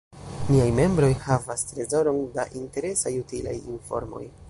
Niaj membroj havas trezoron da interesaj, utilaj informoj.